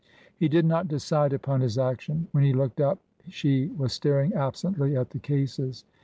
He did not decide upon his action ; when he looked up she was staring absently at the cases.